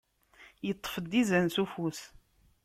Iṭṭef-d izan s ufus!